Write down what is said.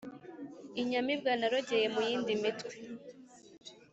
inyamibwa narogeye mu yindi mitwe.